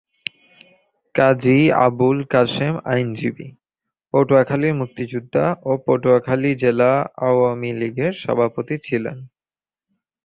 কাজী আবুল কাশেম আইনজীবী, পটুয়াখালীর মুক্তিযুদ্ধা ও পটুয়াখালী জেলা আওয়ামী লীগের সভাপতি ছিলেন।